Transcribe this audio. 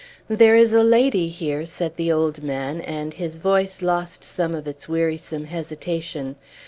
"There is a lady here," said the old man; and his voice lost some of its wearisome hesitation.